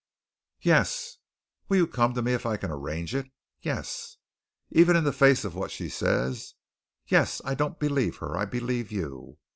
"Yes." "Will you come to me if I can arrange it?" "Yes." "Even in the face of what she says?" "Yes; I don't believe her. I believe you.